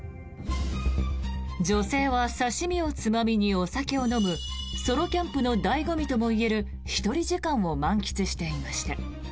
女性は刺し身をつまみにお酒を飲むソロキャンプの醍醐味ともいえる１人時間を満喫していました。